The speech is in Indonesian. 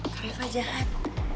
kak reva jahat